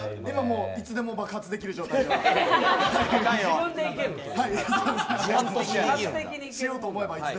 いつでも爆発できる状態です。